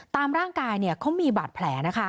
ตามร่างกายเขามีบาดแผลนะคะ